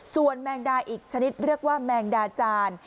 ส่วนแมงดาอีกชนิดเรียกว่าแมงดาจาน